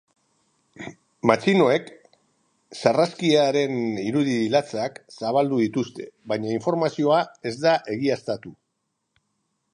Matxinoek sarraskiaren irudi latzak zabaldu dituzte, baina informazioa ez da egiaztatu.